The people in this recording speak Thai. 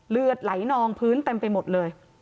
เลือดไหลนองพื้นเต็มไปหมดเลย